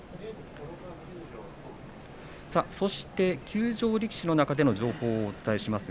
そして休場力士の中での情報をお伝えします。